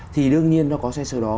thì đương nhiên nó có sai số đó